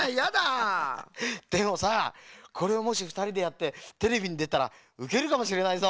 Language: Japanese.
でもさこれをもしふたりでやってテレビにでたらうけるかもしれないぞ。